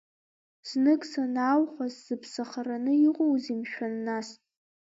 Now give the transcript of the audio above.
Знык санааухәа, сзыԥсахараны иҟоузеи, мшәан, нас!